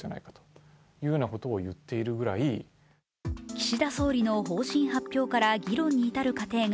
岸田総理の方針発表から議論に至る過程が